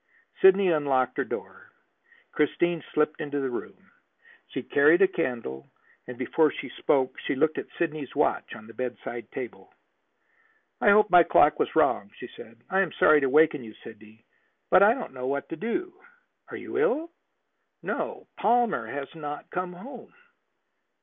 Sidney unlocked her door. Christine slipped into the room. She carried a candle, and before she spoke she looked at Sidney's watch on the bedside table. "I hoped my clock was wrong," she said. "I am sorry to waken you, Sidney, but I don't know what to do." "Are you ill?" "No. Palmer has not come home."